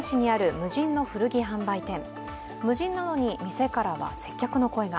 無人なのに、店からは接客の声が。